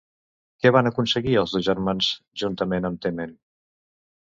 Què van aconseguir els dos germans juntament amb Temen?